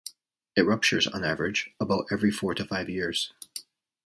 It ruptures, on average, about every four to five years.